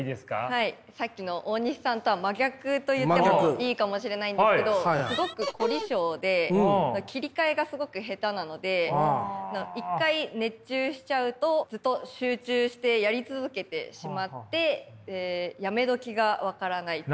はいさっきの大西さんとは真逆と言ってもいいかもしれないんですけどすごく凝り性で切り替えがすごく下手なので一回熱中しちゃうとずっと集中してやり続けてしまってやめ時が分からないっていう。